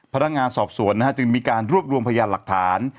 พนักงานสอบสวนจึงมีการรวบรวมพยานหลักฐาน